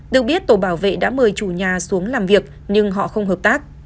được biết tổ bảo vệ đã mời chủ nhà xuống làm việc nhưng họ không hợp tác